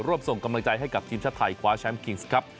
ส่งกำลังใจให้กับทีมชาติไทยคว้าแชมป์คิงส์ครับ